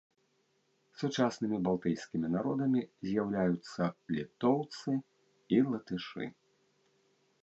Сучаснымі балтыйскімі народамі з'яўляюцца літоўцы і латышы.